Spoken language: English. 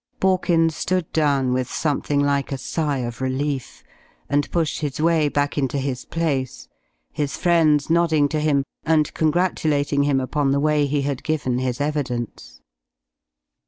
Borkins stood down with something like a sigh of relief, and pushed his way back into his place, his friends nodding to him and congratulating him upon the way he had given his evidence.